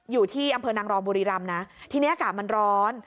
อยู่ที่อำเภอนางรองบุรีรำนะทีนี้อากาศมันร้อน